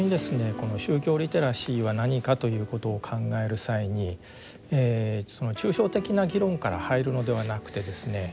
この宗教リテラシーは何かということを考える際に抽象的な議論から入るのではなくてですね